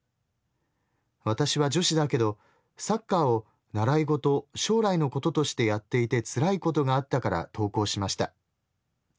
私は女子だけどサッカーを習い事将来のこととしてやっていて辛いことがあったから投稿しました。